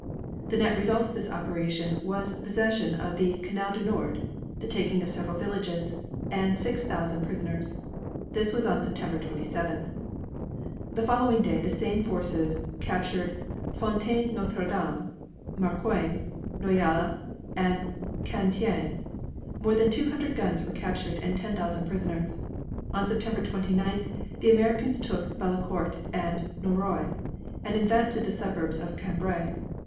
The net result of this operation was the possession of the Canal du Nord, the taking of several villages, and 6,000 prisoners. This was on September 27th. The following day the same forces captured Fontaine Notre Dame, Marcoing, Noyelles, and Cantaing. More than 200 guns were captured and 10,000 prisoners. On September 29th the Americans took Bellecourt and Nauroy, and invested the suburbs of Cambrai.